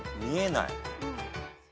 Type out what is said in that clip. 見えない。